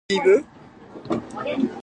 春風が頬をなでて心が軽くなる